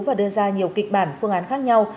và đưa ra nhiều kịch bản phương án khác nhau